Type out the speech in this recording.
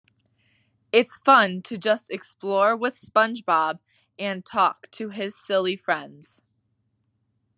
It's fun to just explore with SpongeBob and talk to his silly friends.